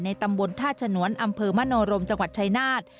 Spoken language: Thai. ตำบลท่าฉนวนอำเภอมโนรมจังหวัดชายนาฏ